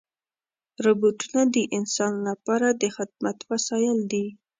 روبوټونه د انسان لپاره د خدمت وسایل دي.